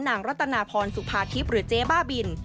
รัตนาพรสุภาทิพย์หรือเจ๊บ้าบิน